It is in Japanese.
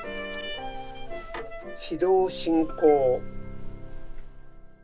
軌道進行！